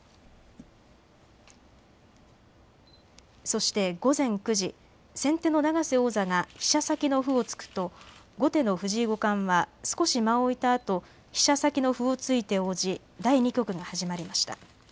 そして午前９時、先手の永瀬王座が飛車先の歩を突くと後手の藤井五冠は少し間を置いたあと飛車先の歩を突いて応じ第２局が始まりました。